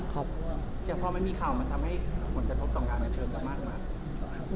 แต่พอไม่มีข่าวมันทำให้ผลกระทบต่างการบันเทิงกับมันหรือเปล่า